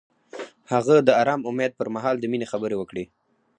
هغه د آرام امید پر مهال د مینې خبرې وکړې.